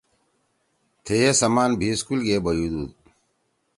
تھیئے سمان بھی اسکول گے بیُودُود